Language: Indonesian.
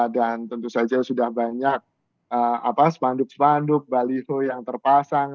dan tentu saja sudah banyak spanduk spanduk baliho yang terpasang